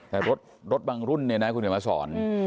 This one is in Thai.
แต่รถบางรุ่นเนี่ยนะคุณเดี๋ยวมาสอน